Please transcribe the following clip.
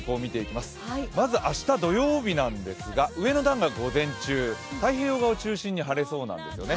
まず明日、土曜日なんですが上の段が午前中、太平洋側を中心に晴れそうなんですよね。